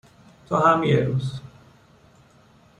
تو هم یه روز